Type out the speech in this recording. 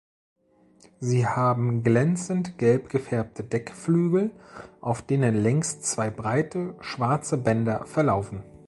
Sie haben glänzend gelb gefärbte Deckflügel, auf denen längs zwei breite, schwarze Bänder verlaufen.